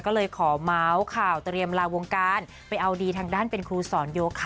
ก็เลยขอเมาส์ข่าวเตรียมลาวงการไปเอาดีทางด้านเป็นครูสอนโยคค่ะ